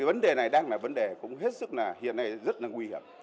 vấn đề này đang là vấn đề hiện nay rất nguy hiểm